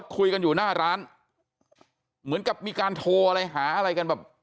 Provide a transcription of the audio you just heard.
คุยกันอยู่หน้าร้านเหมือนกับมีการโทรอะไรหาอะไรกันแบบ